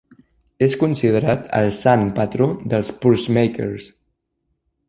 És considerat el Sant patró dels pursemakers.